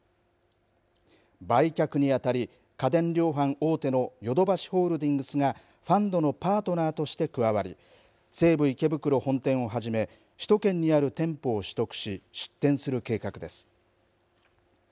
売却に当たり、家電量販大手のヨドバシホールディングスがファンドのパートナーとして加わり西武池袋本店をはじめ首都圏にある店舗を取得し出店する計画です。